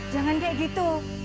jangan kayak gitu